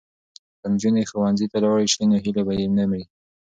که نجونې ښوونځي ته لاړې شي نو هیلې به یې نه مري.